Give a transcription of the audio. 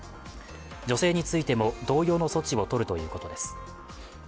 女性についても同様の措置を取るということです。